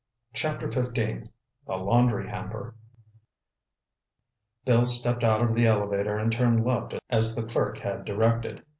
Chapter XV THE LAUNDRY HAMPER Bill stepped out of the elevator and turned left as the clerk had directed.